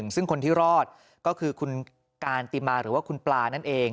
ซึ่งคนที่รอดก็คือคุณการติมาหรือว่าคุณปลานั่นเอง